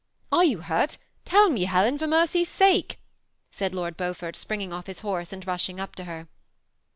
"Are you hurt? tell me, Helen, for mercy's sake," said Lord Beaufort, springing off his horse, and rush ing up to her.